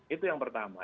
itu yang pertama